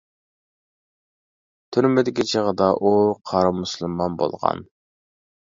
تۈرمىدىكى چېغىدا ئۇ قارا مۇسۇلمان بولغان.